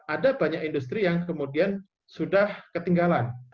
ada banyak industri yang kemudian sudah ketinggalan